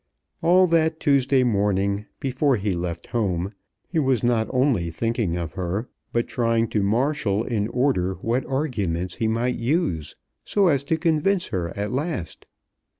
All that Tuesday morning, before he left home, he was not only thinking of her, but trying to marshal in order what arguments he might use, so as to convince her at last.